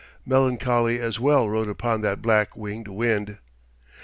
Melancholy as well rode upon that black winged wind.